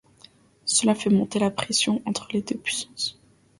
Cela fait monter la pression entre les deux puissances.